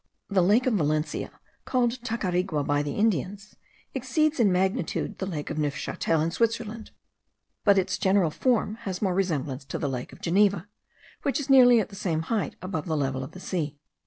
The lake of Valencia, called Tacarigua by the Indians, exceeds in magnitude the lake of Neufchatel in Switzerland; but its general form has more resemblance to the lake of Geneva, which is nearly at the same height above the level of the sea.